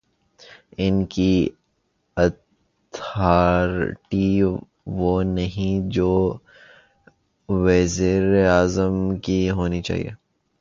ان کی اتھارٹی وہ نہیں جو وزیر اعظم کی ہونی چاہیے۔